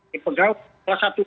di pegawai salah satu